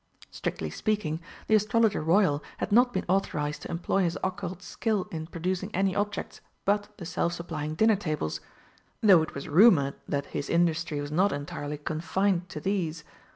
Strictly speaking, the Astrologer Royal had not been authorised to employ his occult skill in producing any objects but the self supplying dinner tables, though it was rumoured that his industry was not entirely confined to these.